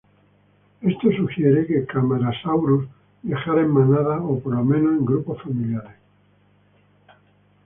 Esto sugiere que "Camarasaurus" viajara en manadas o, por lo menos, en grupos familiares.